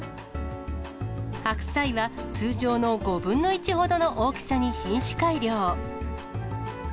白菜は通常の５分の１ほどの大きさに品種改良。